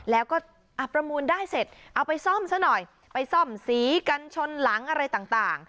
แล้วก็ประมูลได้เสร็จเอาไปซ่อมซะหน่อยไปซ่อมสีกันชนหลังอะไรต่าง